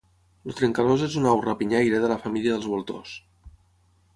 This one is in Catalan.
El trencalòs és una au rapinyaire de la famíla dels voltors.